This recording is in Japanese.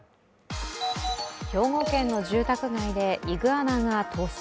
兵庫県の住宅街でイグアナが逃走。